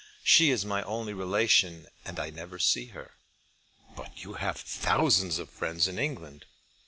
She is my only relation, and I never see her." "But you have thousands of friends in England."